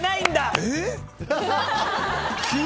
えっ！